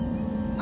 あ！